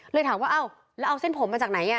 เลยถามว่าอ้าวแล้วเอาเส้นผมมาจากไหน